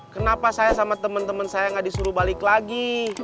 kenapa saya sama teman teman saya nggak disuruh balik lagi